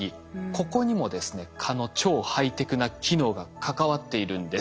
ここにもですね蚊の超ハイテクな機能が関わっているんです。